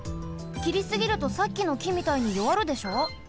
きりすぎるとさっきのきみたいによわるでしょ。